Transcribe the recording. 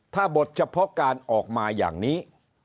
ถ้าบทเฉพาะการออกมาอย่างนี้